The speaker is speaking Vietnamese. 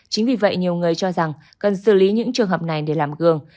chính vì vậy nhiều người cho rằng cần xử lý những trường hợp này để làm gương